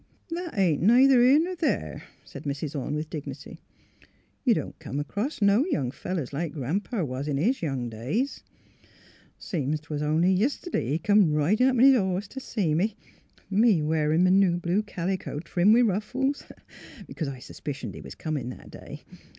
"*' That ain't neither here ner there," said Mrs. Orne, wi^h dignity. '' You don't come acrost no young fellers like Gran 'pa was in his young days. Seems 's'o' 'twas only yiste'd'y he come ridin' up on his horse t' see me, — me a wearin' m' new blue calico, trimmed with ruffles — b 'cause I suspicioned he was comin' that day.